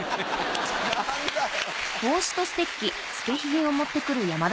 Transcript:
何だよ。